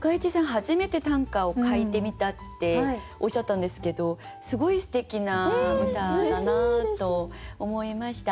初めて短歌を書いてみたっておっしゃったんですけどすごいすてきな歌だなと思いました。